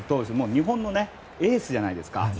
日本のエースじゃないですか。